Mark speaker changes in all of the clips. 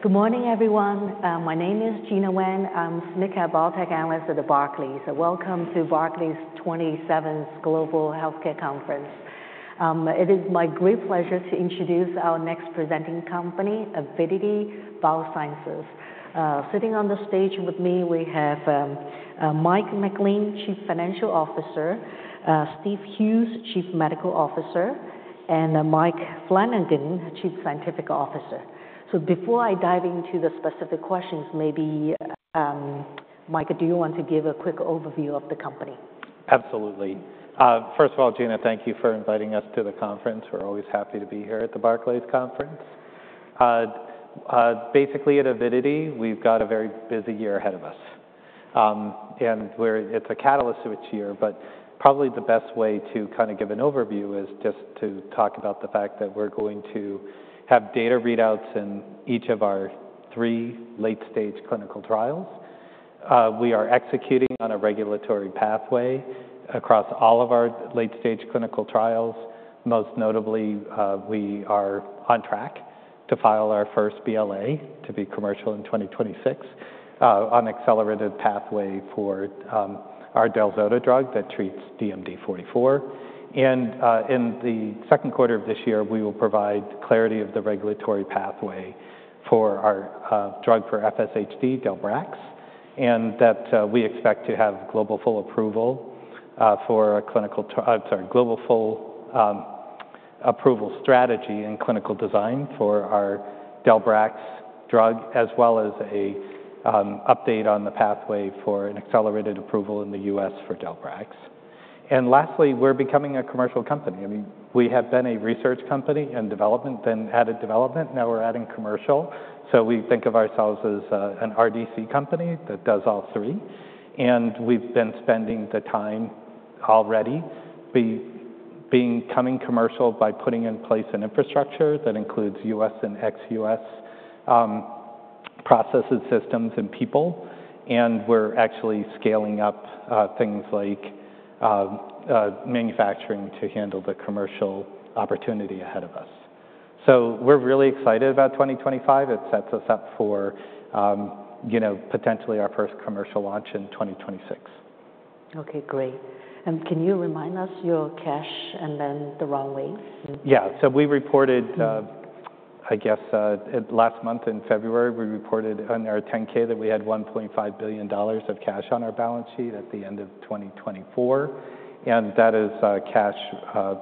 Speaker 1: Good morning, everyone. My name is Gina Wang. I'm a clinical biotech analyst at Barclays. Welcome to Barclays' 27th Global Healthcare Conference. It is my great pleasure to introduce our next presenting company, Avidity Biosciences. Sitting on the stage with me, we have Mike MacLean, Chief Financial Officer, Steve Hughes, Chief Medical Officer, and Mike Flanagan, Chief Scientific Officer. Before I dive into the specific questions, maybe, Mike, do you want to give a quick overview of the company?
Speaker 2: Absolutely. First of all, Gina, thank you for inviting us to the Conference. We're always happy to be here at the Barclays Conference. Basically, at Avidity, we've got a very busy year ahead of us. It's a catalyst of each year, but probably the best way to kind of give an overview is just to talk about the fact that we're going to have data readouts in each of our three late-stage clinical trials. We are executing on a regulatory pathway across all of our late-stage clinical trials. Most notably, we are on track to file our first BLA to be commercial in 2026 on accelerated pathway for our del-zota drug that treats DMD44. In the second quarter of this year, we will provide clarity of the regulatory pathway for our drug for FSHD, del-brax, and we expect to have global full approval for a clinical, I'm sorry, global full approval strategy and clinical design for our del-brax drug, as well as an update on the pathway for an accelerated approval in the U.S. for del-brax. Lastly, we're becoming a commercial company. I mean, we have been a research company and development, then added development, now we're adding commercial. We think of ourselves as an RDC company that does all three. We've been spending the time already becoming commercial by putting in place an infrastructure that includes U.S. and ex-U.S. processes, systems, and people. We're actually scaling up things like manufacturing to handle the commercial opportunity ahead of us. We're really excited about 2025. It sets us up for potentially our first commercial launch in 2026.
Speaker 1: Okay, great. Can you remind us your cash and then the runway?
Speaker 2: Yeah. We reported, I guess, last month in February, we reported on our 10-K that we had $1.5 billion of cash on our balance sheet at the end of 2024. That is cash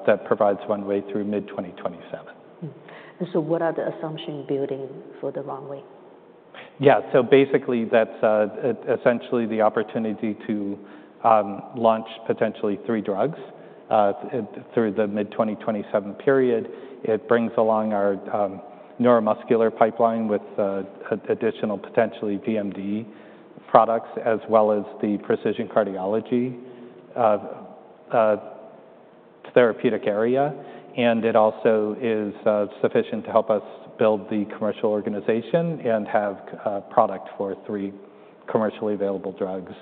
Speaker 2: that provides runway through mid-2027.
Speaker 1: What are the assumptions building for the runway?
Speaker 2: Yeah. So basically, that's essentially the opportunity to launch potentially three drugs through the mid-2027 period. It brings along our neuromuscular pipeline with additional potentially DMD products, as well as the precision cardiology therapeutic area. It also is sufficient to help us build the commercial organization and have product for three commercially available drugs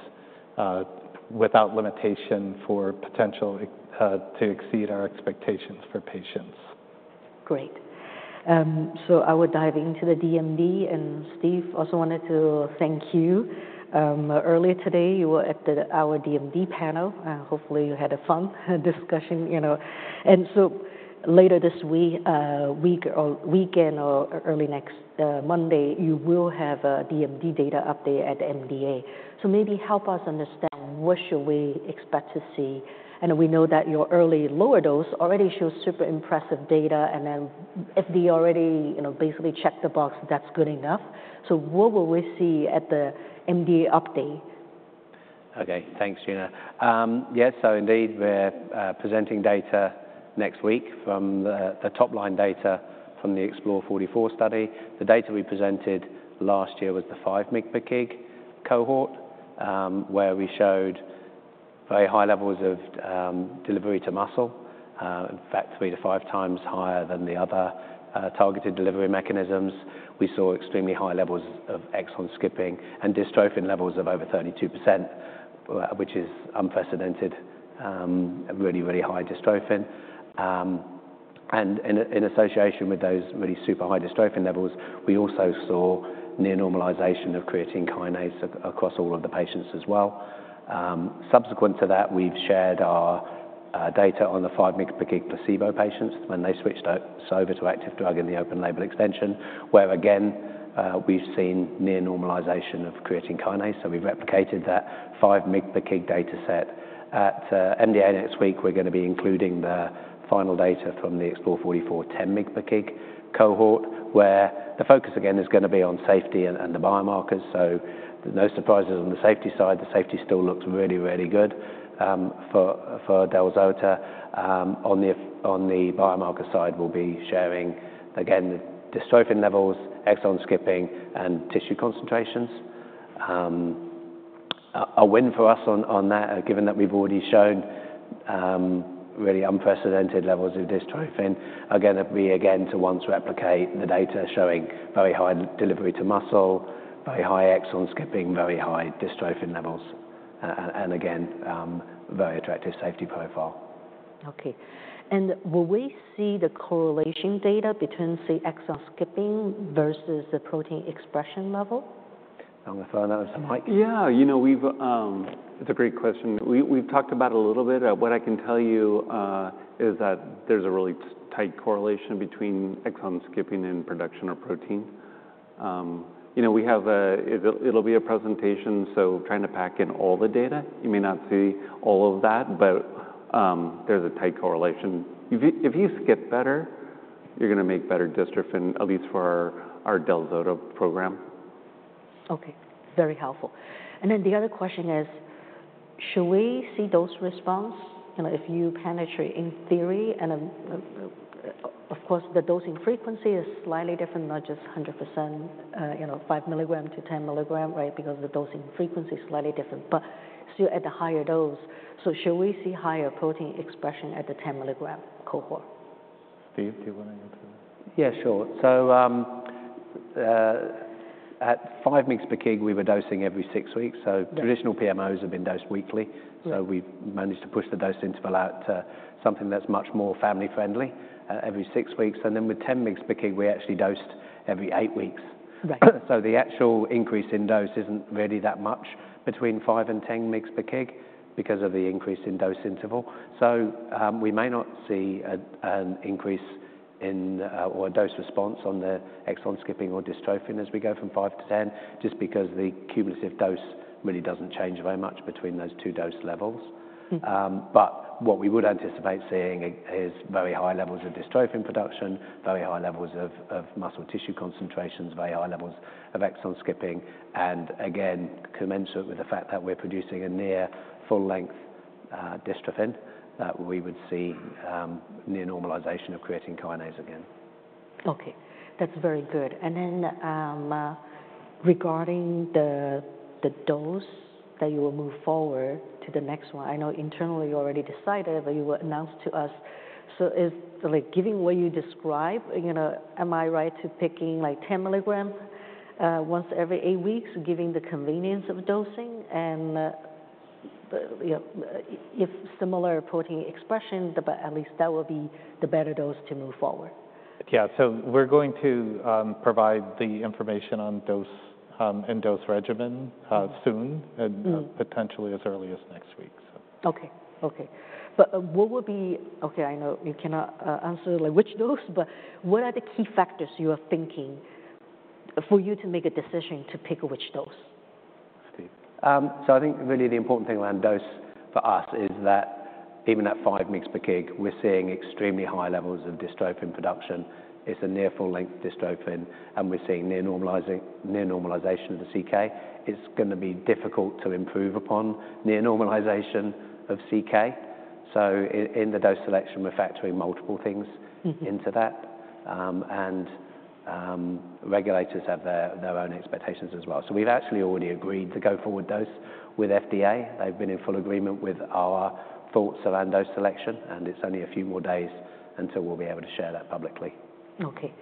Speaker 2: without limitation for potential to exceed our expectations for patients.
Speaker 1: Great. I will dive into the DMD. Steve, I also wanted to thank you. Earlier today, you were at our DMD panel. Hopefully, you had a fun discussion. Later this weekend or early next Monday, you will have a DMD data update at MDA. Maybe help us understand what should we expect to see. We know that your early lower dose already shows super impressive data. If they already basically check the box, that's good enough. What will we see at the MDA update?
Speaker 3: Okay, thanks, Gina. Yeah, so indeed, we're presenting data next week from the top-line data from the EXPLORE44 study. The data we presented last year was the 5 mg per kg cohort, where we showed very high levels of delivery to muscle, in fact, three to five times higher than the other targeted delivery mechanisms. We saw extremely high levels of exon skipping and dystrophin levels of over 32%, which is unprecedented, really, really high dystrophin. In association with those really super high dystrophin levels, we also saw near normalization of creatine kinase across all of the patients as well. Subsequent to that, we've shared our data on the 5 mg per kg placebo patients when they switched over to active drug in the open label extension, where, again, we've seen near normalization of creatine kinase. We've replicated that 5 mg per kg data set. At MDA next week, we're going to be including the final data from the EXPLORE44 10 mg per kg cohort, where the focus, again, is going to be on safety and the biomarkers. No surprises on the safety side. The safety still looks really, really good for del-zota. On the biomarker side, we'll be sharing, again, the dystrophin levels, exon skipping, and tissue concentrations. A win for us on that, given that we've already shown really unprecedented levels of dystrophin. Again, it'll be to once replicate the data showing very high delivery to muscle, very high exon skipping, very high dystrophin levels, and again, very attractive safety profile.
Speaker 1: Okay. Will we see the correlation data between exon skipping versus the protein expression level?
Speaker 3: I'm going to throw that over to Mike.
Speaker 4: Yeah. You know, it's a great question. We've talked about it a little bit. What I can tell you is that there's a really tight correlation between exon skipping and production of protein. It'll be a presentation, so trying to pack in all the data. You may not see all of that, but there's a tight correlation. If you skip better, you're going to make better dystrophin, at least for our del-zota program.
Speaker 1: Okay. Very helpful. The other question is, should we see dose response if you penetrate in theory? Of course, the dosing frequency is slightly different, not just 100%, 5 milligram to 10 milligram, right, because the dosing frequency is slightly different, but still at the higher dose. Should we see higher protein expression at the 10-milligram cohort?
Speaker 4: Steve, do you want to answer that?
Speaker 3: Yeah, sure. At 5 mg per kg, we were dosing every six weeks. Traditional PMOs have been dosed weekly. We have managed to push the dose interval out to something that is much more family-friendly, every six weeks. With 10 mg per kg, we actually dosed every eight weeks. The actual increase in dose is not really that much between 5 and 10 mg per kg because of the increase in dose interval. We may not see an increase in or a dose response on the exon skipping or dystrophin as we go from 5 to 10, just because the cumulative dose really does not change very much between those two dose levels. What we would anticipate seeing is very high levels of dystrophin production, very high levels of muscle tissue concentrations, very high levels of exon skipping. Again, commensurate with the fact that we're producing a near full-length dystrophin, that we would see near normalization of creatine kinase again.
Speaker 1: Okay. That's very good. Regarding the dose that you will move forward to the next one, I know internally you already decided, but you will announce to us. Given what you described, am I right to picking like 10 milligram once every eight weeks, given the convenience of dosing? If similar protein expression, at least that will be the better dose to move forward.
Speaker 3: Yeah. We are going to provide the information on dose and dose regimen soon, potentially as early as next week.
Speaker 1: Okay. Okay. What will be, okay, I know you cannot answer which dose, but what are the key factors you are thinking for you to make a decision to pick which dose?
Speaker 3: I think really the important thing around dose for us is that even at 5 mg per kg, we're seeing extremely high levels of dystrophin production. It's a near full-length dystrophin, and we're seeing near normalization of the CK. It's going to be difficult to improve upon near normalization of CK. In the dose selection, we're factoring multiple things into that. Regulators have their own expectations as well. We've actually already agreed to go forward dose with FDA. They've been in full agreement with our thoughts around dose selection. It's only a few more days until we'll be able to share that publicly.
Speaker 1: Okay.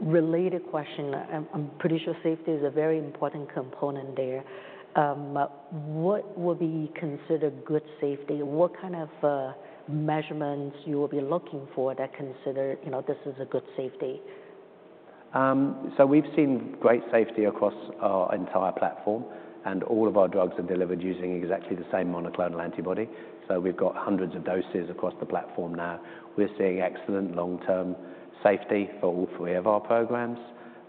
Speaker 1: Related question. I'm pretty sure safety is a very important component there. What will be considered good safety? What kind of measurements will you be looking for that consider this is a good safety?
Speaker 3: We have seen great safety across our entire platform. All of our drugs are delivered using exactly the same monoclonal antibody. We have hundreds of doses across the platform now. We are seeing excellent long-term safety for all three of our programs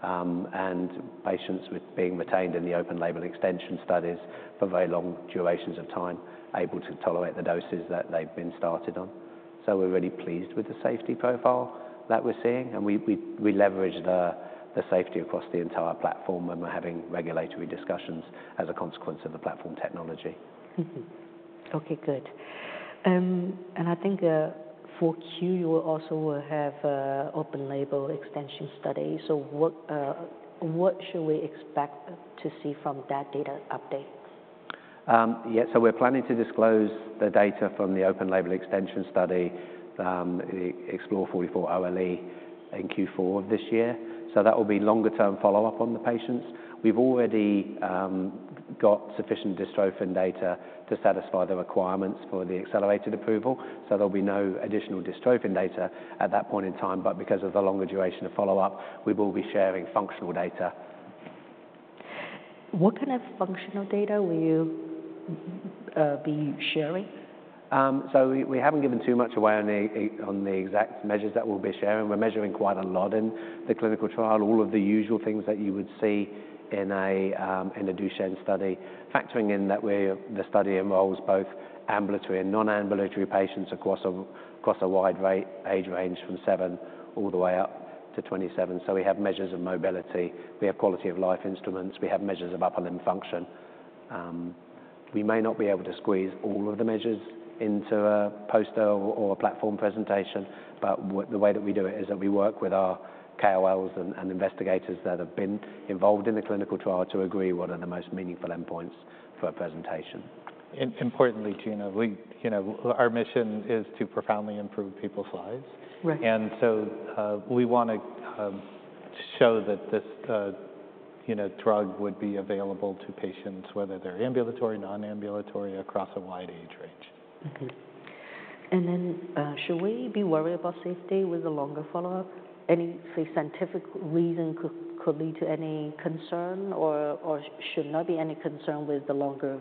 Speaker 3: and patients being retained in the open label extension studies for very long durations of time, able to tolerate the doses that they have been started on. We are really pleased with the safety profile that we are seeing. We leverage the safety across the entire platform when we are having regulatory discussions as a consequence of the platform technology.
Speaker 1: Okay, good. I think 4Q, you also will have open label extension studies. What should we expect to see from that data update?
Speaker 3: Yeah. We are planning to disclose the data from the open label extension study, EXPLORE44 OLE in Q4 of this year. That will be longer-term follow-up on the patients. We have already got sufficient dystrophin data to satisfy the requirements for the accelerated approval. There will be no additional dystrophin data at that point in time. Because of the longer duration of follow-up, we will be sharing functional data.
Speaker 1: What kind of functional data will you be sharing?
Speaker 3: We have not given too much away on the exact measures that we will be sharing. We are measuring quite a lot in the clinical trial, all of the usual things that you would see in a Duchenne study, factoring in that the study involves both ambulatory and non-ambulatory patients across a wide age range from seven all the way up to 27. We have measures of mobility. We have quality of life instruments. We have measures of upper limb function. We may not be able to squeeze all of the measures into a poster or a platform presentation, but the way that we do it is that we work with our KOLs and investigators that have been involved in the clinical trial to agree what are the most meaningful endpoints for a presentation.
Speaker 2: Importantly, Gina, our mission is to profoundly improve people's lives. We want to show that this drug would be available to patients, whether they're ambulatory, non-ambulatory, across a wide age range.
Speaker 1: Okay. Should we be worried about safety with the longer follow-up? Any scientific reason could lead to any concern, or should not be any concern with the longer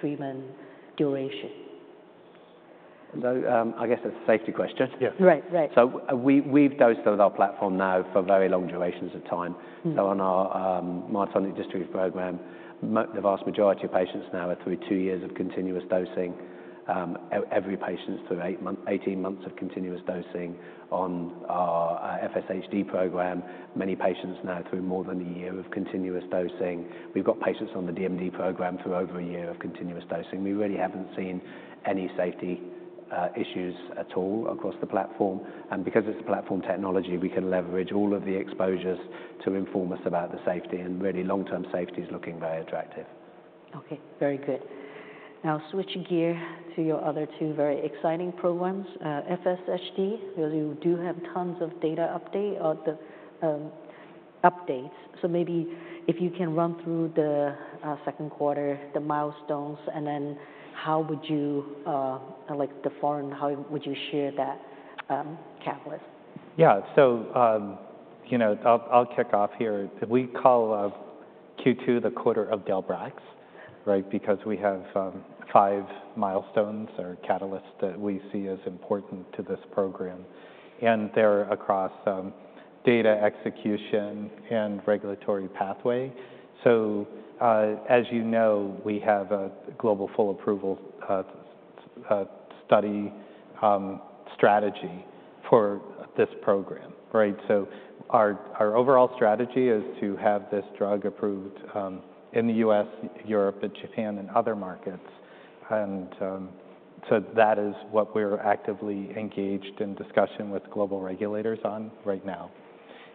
Speaker 1: treatment duration?
Speaker 3: I guess that's a safety question.
Speaker 2: Yes.
Speaker 1: Right, right.
Speaker 3: We've dosed with our platform now for very long durations of time. On our myotonic dystrophy program, the vast majority of patients now are through two years of continuous dosing. Every patient is through 18 months of continuous dosing. On our FSHD program, many patients now are through more than a year of continuous dosing. We've got patients on the DMD program through over a year of continuous dosing. We really haven't seen any safety issues at all across the platform. Because it's a platform technology, we can leverage all of the exposures to inform us about the safety. Really, long-term safety is looking very attractive.
Speaker 1: Okay. Very good. Now switching gear to your other two very exciting programs, FSHD, because you do have tons of data updates. Maybe if you can run through the second quarter, the milestones, and then how would you like the foreign, how would you share that catalyst?
Speaker 2: Yeah. I'll kick off here. We call Q2 the quarter of del-brax, right, because we have five milestones or catalysts that we see as important to this program. They're across data execution and regulatory pathway. As you know, we have a global full approval study strategy for this program, right? Our overall strategy is to have this drug approved in the U.S., Europe, and Japan and other markets. That is what we're actively engaged in discussion with global regulators on right now.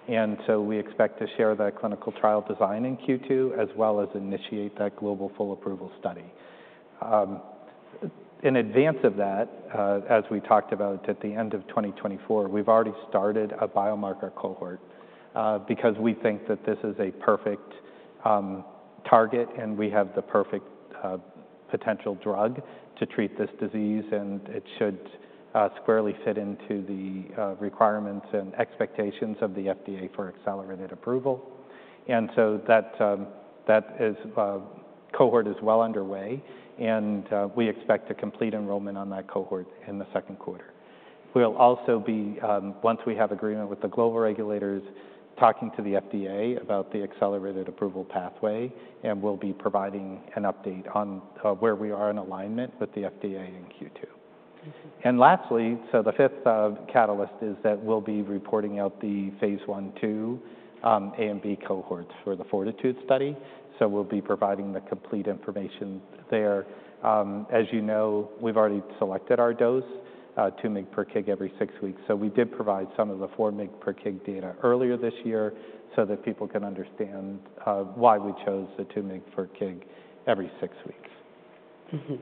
Speaker 2: We expect to share the clinical trial design in Q2, as well as initiate that global full approval study. In advance of that, as we talked about at the end of 2024, we've already started a biomarker cohort because we think that this is a perfect target, and we have the perfect potential drug to treat this disease, and it should squarely fit into the requirements and expectations of the FDA for accelerated approval. That cohort is well underway, and we expect a complete enrollment on that cohort in the second quarter. We'll also be, once we have agreement with the global regulators, talking to the FDA about the accelerated approval pathway, and we'll be providing an update on where we are in alignment with the FDA in Q2. Lastly, the fifth catalyst is that we'll be reporting out the phase I/II A and B cohorts for the FORTITUDE study. We'll be providing the complete information there. As you know, we've already selected our dose, 2 mg per kg every six weeks. We did provide some of the 4 mg per kg data earlier this year so that people can understand why we chose the 2 mg per kg every six weeks.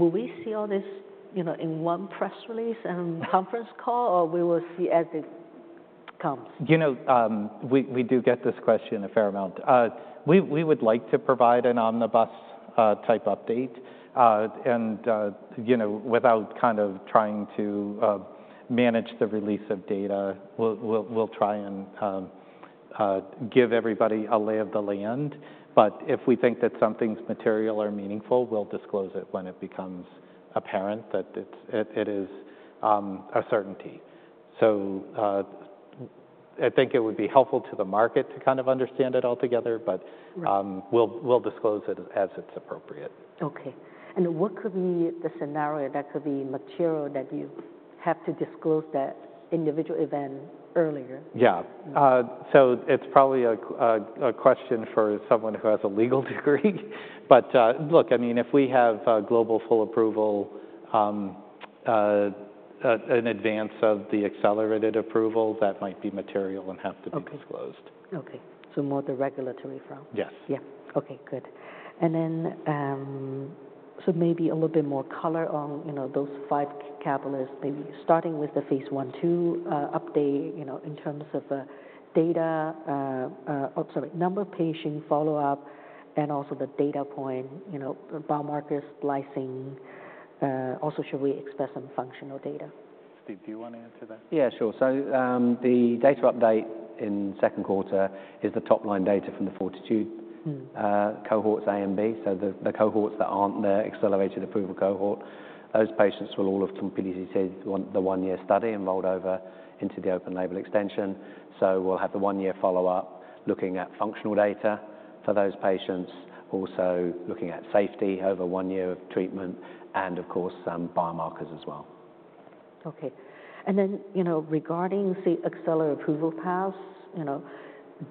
Speaker 1: Will we see all this in one press release and conference call, or we will see as it comes?
Speaker 2: You know, we do get this question a fair amount. We would like to provide an omnibus type update. Without kind of trying to manage the release of data, we'll try and give everybody a lay of the land. If we think that something's material or meaningful, we'll disclose it when it becomes apparent that it is a certainty. I think it would be helpful to the market to kind of understand it all together, but we'll disclose it as it's appropriate.
Speaker 1: Okay. What could be the scenario that could be material that you have to disclose that individual event earlier?
Speaker 2: Yeah. It's probably a question for someone who has a legal degree. Look, I mean, if we have global full approval in advance of the accelerated approval, that might be material and have to be disclosed.
Speaker 1: Okay. More the regulatory front?
Speaker 2: Yes.
Speaker 1: Yeah. Okay, good. Maybe a little bit more color on those five catalysts, maybe starting with the phase I/II update in terms of data, oh, sorry, number of patient follow-up, and also the data point, biomarker splicing. Also, should we express some functional data?
Speaker 2: Steve, do you want to answer that?
Speaker 3: Yeah, sure. The data update in second quarter is the top-line data from the FORTITUDE cohorts, A and B, so the cohorts that are not the accelerated approval cohort. Those patients will all have completed the one-year study and rolled over into the open-label extension. We will have the one-year follow-up looking at functional data for those patients, also looking at safety over one year of treatment, and of course, biomarkers as well.
Speaker 1: Okay. Regarding the accelerated approval paths,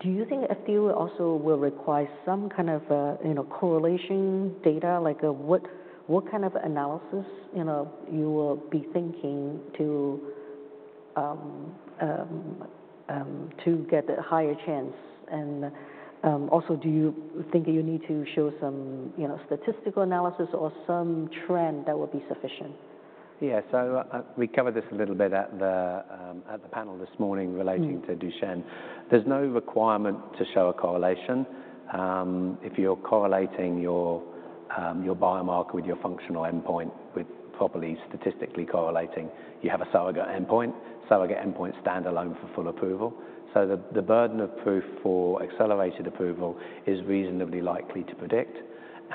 Speaker 1: do you think FDA also will require some kind of correlation data, like what kind of analysis you will be thinking to get the higher chance? Also, do you think you need to show some statistical analysis or some trend that will be sufficient?
Speaker 3: Yeah. We covered this a little bit at the panel this morning relating to Duchenne. There's no requirement to show a correlation. If you're correlating your biomarker with your functional endpoint with properly statistically correlating, you have a surrogate endpoint. Surrogate endpoint standalone for full approval. The burden of proof for accelerated approval is reasonably likely to predict.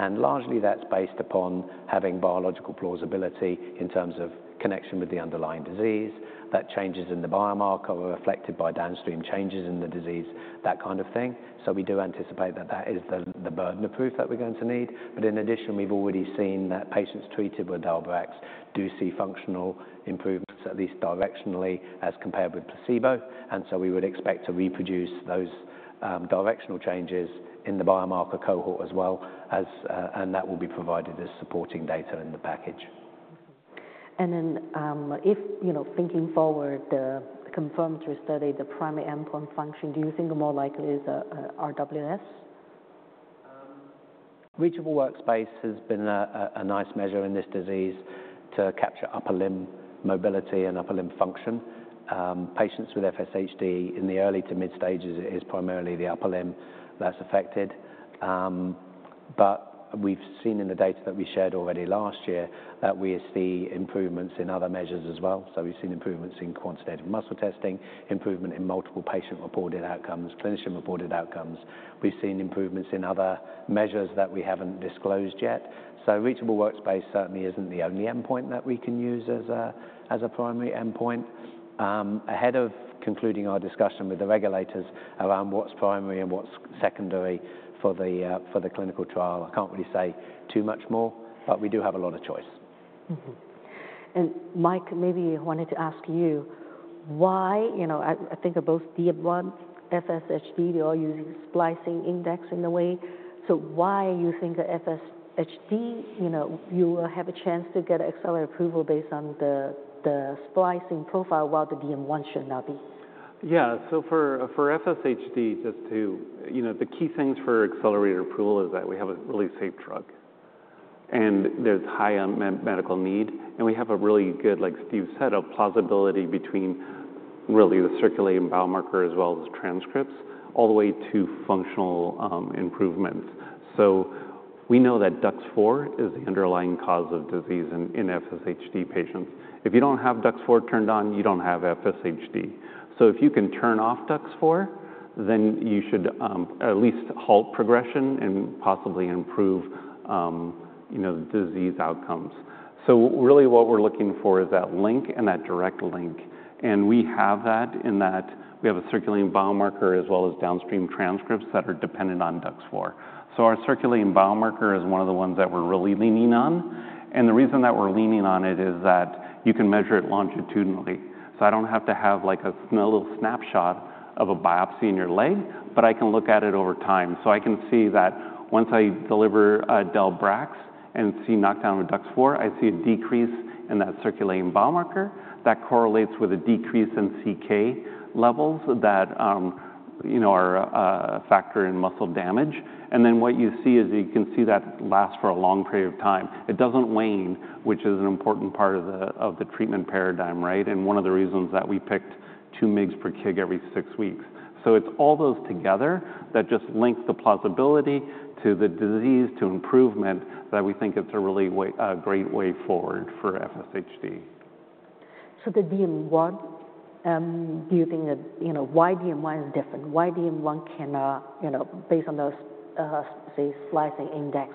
Speaker 3: Largely, that's based upon having biological plausibility in terms of connection with the underlying disease. That changes in the biomarker are reflected by downstream changes in the disease, that kind of thing. We do anticipate that that is the burden of proof that we're going to need. In addition, we've already seen that patients treated with del-brax do see functional improvements, at least directionally, as compared with placebo. We would expect to reproduce those directional changes in the biomarker cohort as well, and that will be provided as supporting data in the package.
Speaker 1: If thinking forward, the confirmatory study, the primary endpoint function, do you think more likely is RWS?
Speaker 3: Reachable workspace has been a nice measure in this disease to capture upper limb mobility and upper limb function. Patients with FSHD in the early to mid stages, it is primarily the upper limb that's affected. We have seen in the data that we shared already last year that we see improvements in other measures as well. We have seen improvements in quantitative muscle testing, improvement in multiple patient-reported outcomes, clinician-reported outcomes. We have seen improvements in other measures that we haven't disclosed yet. Reachable workspace certainly isn't the only endpoint that we can use as a primary endpoint. Ahead of concluding our discussion with the regulators around what's primary and what's secondary for the clinical trial, I can't really say too much more, but we do have a lot of choice.
Speaker 1: Mike, maybe I wanted to ask you, why I think of both DM1, FSHD, they're all using splicing index in a way. Why do you think FSHD, you will have a chance to get accelerated approval based on the splicing profile while the DM1 should not be?
Speaker 4: Yeah. For FSHD, just the key things for accelerated approval is that we have a really safe drug. There's high medical need. We have a really good, like Steve said, plausibility between really the circulating biomarker as well as transcripts all the way to functional improvements. We know that DUX4 is the underlying cause of disease in FSHD patients. If you do not have DUX4 turned on, you do not have FSHD. If you can turn off DUX4, then you should at least halt progression and possibly improve disease outcomes. What we are looking for is that link and that direct link. We have that in that we have a circulating biomarker as well as downstream transcripts that are dependent on DUX4. Our circulating biomarker is one of the ones that we are really leaning on. The reason that we're leaning on it is that you can measure it longitudinally. I don't have to have a little snapshot of a biopsy in your leg, but I can look at it over time. I can see that once I deliver a del-brax and see knockdown with DUX4, I see a decrease in that circulating biomarker. That correlates with a decrease in CK levels that are a factor in muscle damage. What you see is you can see that lasts for a long period of time. It doesn't wane, which is an important part of the treatment paradigm, right? One of the reasons that we picked 2 mg per kg every six weeks. It is all those together that just link the plausibility to the disease to improvement that we think it's a really great way forward for FSHD.
Speaker 1: The DM1, do you think why DM1 is different? Why DM1 cannot, based on those splicing index,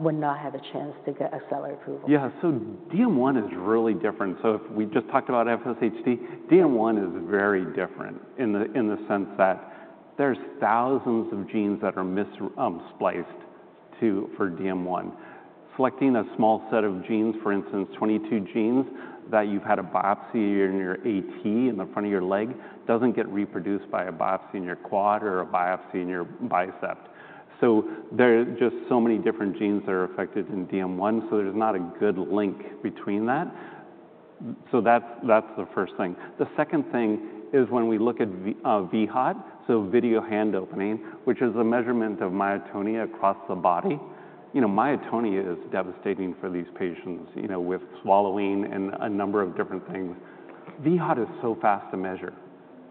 Speaker 1: would not have a chance to get accelerated approval?
Speaker 4: Yeah. DM1 is really different. If we just talked about FSHD, DM1 is very different in the sense that there's thousands of genes that are misspliced for DM1. Selecting a small set of genes, for instance, 22 genes that you've had a biopsy in your AT in the front of your leg doesn't get reproduced by a biopsy in your quad or a biopsy in your bicep. There are just so many different genes that are affected in DM1, so there's not a good link between that. That's the first thing. The second thing is when we look at VHOT, so video hand opening, which is a measurement of myotonia across the body. Myotonia is devastating for these patients with swallowing and a number of different things. VHOT is so fast to measure.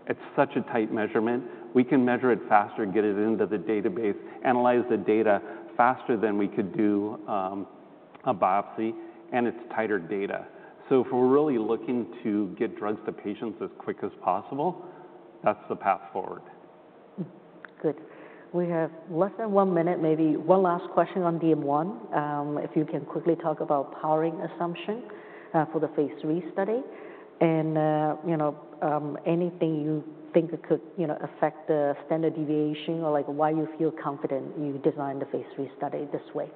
Speaker 4: It's such a tight measurement. We can measure it faster, get it into the database, analyze the data faster than we could do a biopsy, and it's tighter data. If we're really looking to get drugs to patients as quick as possible, that's the path forward.
Speaker 1: Good. We have less than one minute, maybe one last question on DM1, if you can quickly talk about powering assumption for the phase III study. Anything you think could affect the standard deviation or why you feel confident you designed the phase III study this way?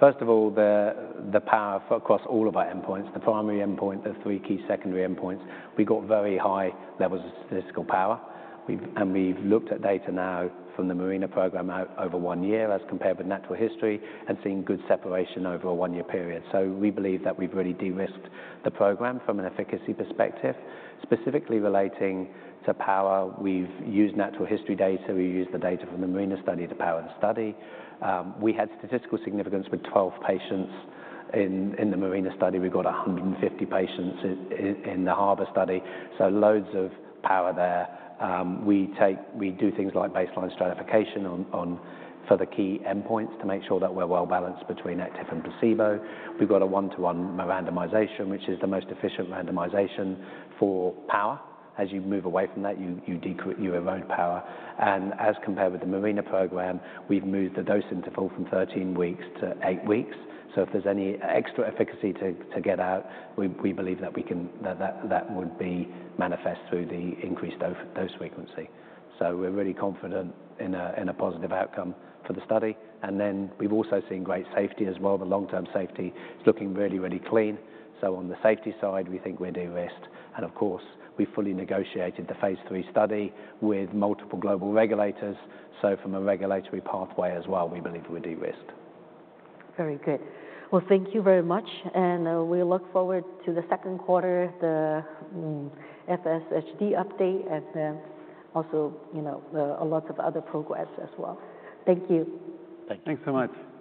Speaker 3: First of all, the power across all of our endpoints, the primary endpoint, the three key secondary endpoints, we got very high levels of statistical power. We have looked at data now from the MARINA program over one year as compared with natural history and seen good separation over a one-year period. We believe that we have really de-risked the program from an efficacy perspective, specifically relating to power. We have used natural history data. We used the data from the MARINA study to power the study. We had statistical significance with 12 patients in the MARINA study. We have 150 patients in the HARBOR study. So loads of power there. We do things like baseline stratification for the key endpoints to make sure that we are well balanced between active and placebo. We have a one-to-one randomization, which is the most efficient randomization for power. As you move away from that, you erode power. As compared with the MARINA program, we've moved the dose interval from 13 weeks to 8 weeks. If there's any extra efficacy to get out, we believe that would be manifest through the increased dose frequency. We're really confident in a positive outcome for the study. We've also seen great safety as well. The long-term safety is looking really, really clean. On the safety side, we think we're de-risked. Of course, we fully negotiated the phase III study with multiple global regulators. From a regulatory pathway as well, we believe we're de-risked.
Speaker 1: Very good. Thank you very much. We look forward to the second quarter, the FSHD update, and also lots of other progress as well. Thank you.
Speaker 3: Thanks so much.